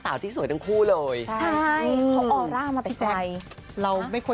นางทำเล็บไปแล้วเราก็แบบ